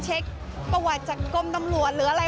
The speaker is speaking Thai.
เช็คประวัติจากกรมตำรวจหรืออะไร